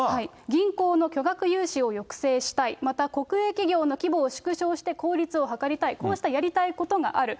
銀行の巨額融資を抑制したい、また国営企業の規模を縮小して、効率を図りたい、こうしたやりたいことがある。